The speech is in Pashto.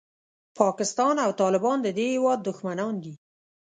پاکستان او طالبان د دې هېواد دښمنان دي.